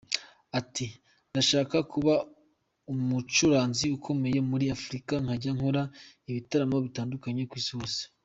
Ati “Ndashaka kuba umucuranzi ukomeye muri Afurika nkajya nkora ibitaramo bitandukanye ku Isi hose.